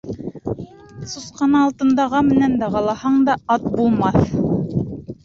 Сусҡаны алтын даға менән дағалаһаң да ат булмаҫ.